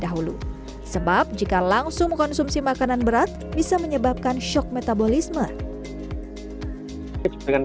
dahulu sebab jika langsung mengkonsumsi makanan berat bisa menyebabkan shock metabolisme dengan